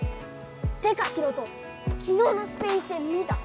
ってか浩人昨日のスペイン戦見た？